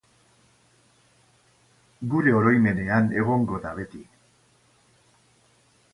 Gure oroimenean egongo da beti.